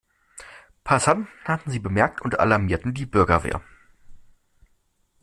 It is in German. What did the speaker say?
Passanten hatten sie bemerkt und alarmierten die Bürgerwehr.